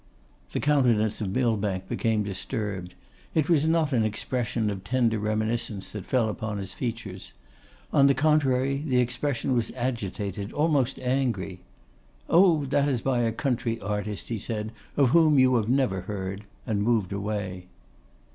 The countenance of Millbank became disturbed; it was not an expression of tender reminiscence that fell upon his features. On the contrary, the expression was agitated, almost angry. 'Oh! that is by a country artist,' he said,' of whom you never heard,' and moved away.